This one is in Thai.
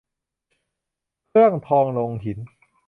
เครื่องทองลงหิน